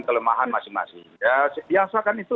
kelemahan masing masing ya biasa kan itu